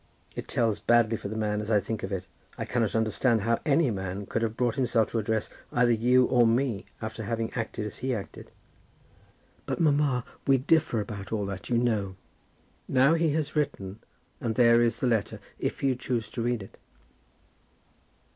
It tells badly for the man, as I think of it. I cannot understand how any man could have brought himself to address either you or me, after having acted as he acted." "But, mamma, we differ about all that, you know." "Now he has written, and there is the letter, if you choose to read it."